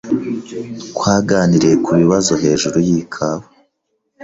Twaganiriye kubibazo hejuru yikawa.